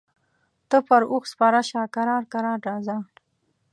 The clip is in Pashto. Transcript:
ته پر اوښ سپره شه کرار کرار راځه.